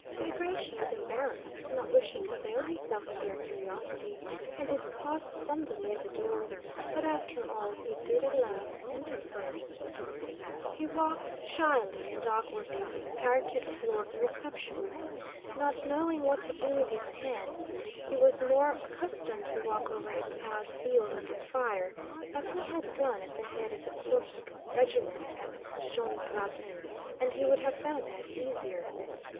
Bagratión was embarrassed, not wishing to avail himself of their courtesy, and this caused some delay at the doors, but after all he did at last enter first. He walked shyly and awkwardly over the parquet floor of the reception room, not knowing what to do with his hands; he was more accustomed to walk over a plowed field under fire, as he had done at the head of the Kursk regiment at Schön Grabern—and he would have found that easier.